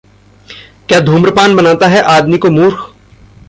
क्या धूम्रपान बनाता है आदमी को मूर्ख?